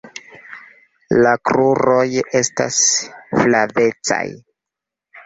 La kruroj estas flavecaj.